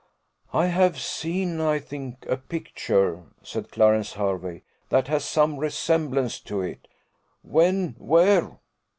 "I have seen, I think, a picture," said Clarence Hervey, "that has some resemblance to it." "When? where?